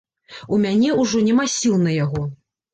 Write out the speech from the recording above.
У мяне ўжо няма сіл на яго.